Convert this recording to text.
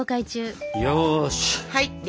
はい。